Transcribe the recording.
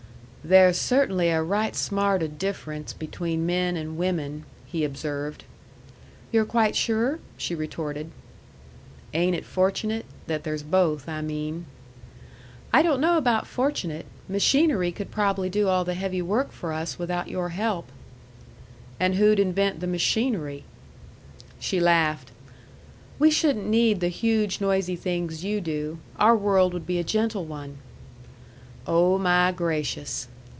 "There's cert'nly a right smart o' difference between men and women," he observed. "You're quite sure?" she retorted. "Ain't it fortunate? that there's both, I mean." "I don't know about fortunate. Machinery could probably do all the heavy work for us without your help." "And who'd invent the machinery?" She laughed. "We shouldn't need the huge, noisy things you do. Our world would be a gentle one." "Oh, my gracious!"